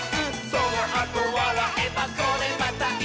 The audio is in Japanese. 「そのあとわらえばこれまたイス！」